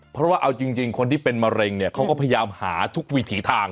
เพราะว่าเอาจริงคนที่เป็นมะเร็งเนี่ยเขาก็พยายามหาทุกวิถีทาง